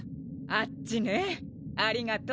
あっちねありがと。